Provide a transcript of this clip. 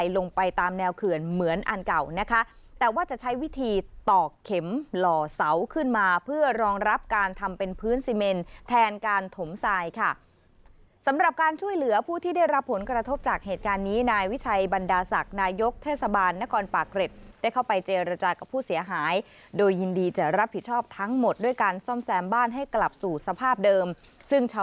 ลงไปตามแนวเขื่อนเหมือนอันเก่านะคะแต่ว่าจะใช้วิธีตอกเข็มหล่อเสาขึ้นมาเพื่อรองรับการทำเป็นพื้นซีเมนแทนการถมทรายค่ะสำหรับการช่วยเหลือผู้ที่ได้รับผลกระทบจากเหตุการณ์นี้นายวิชัยบรรดาศักดิ์นายกเทศบาลนครปากเกร็ดได้เข้าไปเจรจากับผู้เสียหายโดยยินดีจะรับผิดชอบทั้งหมดด้วยการซ่อมแซมบ้านให้กลับสู่สภาพเดิมซึ่งช